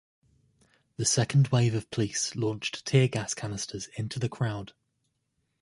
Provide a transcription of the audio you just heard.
The second wave of police launched tear gas canisters into the crowd.